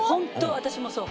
私もそう。